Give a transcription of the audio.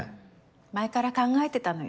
前から考えてたのよ。